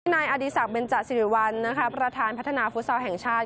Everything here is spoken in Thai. นายอดีศักดิเบนจสิริวัลประธานพัฒนาฟุตซอลแห่งชาติ